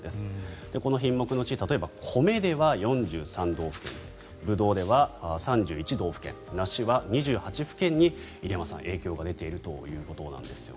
この品目のうち例えば米では４３道府県ブドウでは３１道府県梨は２８府県に入山さん、影響が出ていると。